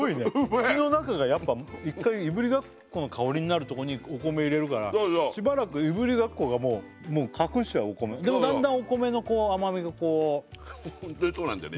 口の中がやっぱ一回いぶりがっこの香りになるとこにお米入れるからしばらくいぶりがっこがもうもう隠しちゃうお米でもだんだんお米のこう甘みがこうホントにそうなんだよね